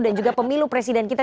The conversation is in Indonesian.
dan juga pemilu presiden kita